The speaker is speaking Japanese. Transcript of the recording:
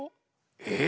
えっ？